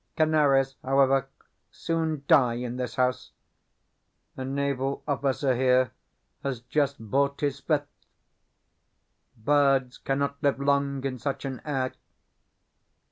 Canaries, however, soon die in this house. A naval officer here has just bought his fifth. Birds cannot live long in such an air.